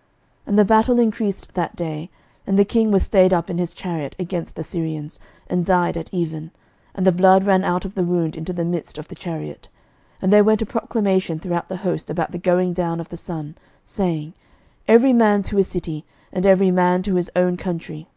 11:022:035 And the battle increased that day: and the king was stayed up in his chariot against the Syrians, and died at even: and the blood ran out of the wound into the midst of the chariot. 11:022:036 And there went a proclamation throughout the host about the going down of the sun, saying, Every man to his city, and every man to his own country.